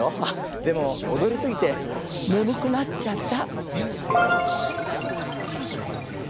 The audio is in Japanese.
でもおどりすぎてねむくなっちゃった。